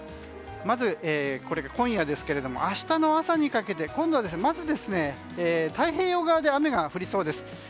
まず、これが今夜ですが明日の朝にかけて今度はまず、太平洋側で雨が降りそうです。